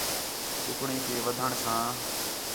کُکڑیں تے وڈھݨ ساں